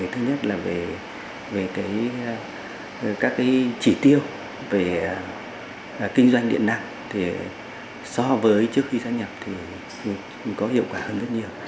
thứ nhất là về các chỉ tiêu về kinh doanh điện năng thì so với trước khi sắp nhập thì có hiệu quả hơn rất nhiều